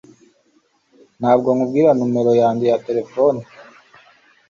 Ntabwo nkubwira numero yanjye ya terefone